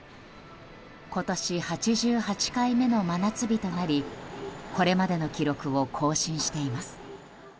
今年８８回目の真夏日となりこれまでの記録を更新しています。